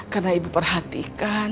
karena ibu perhatikan